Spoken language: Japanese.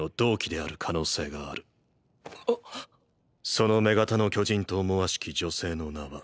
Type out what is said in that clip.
その女型の巨人と思わしき女性の名は。